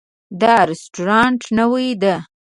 دا رستورانت نوی ده